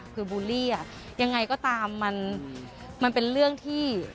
คือบูลลี่อ่ะยังไงก็ตามมันเป็นเรื่องที่